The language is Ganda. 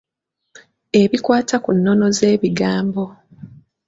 Ebikwata ku nnono z'ebigambo.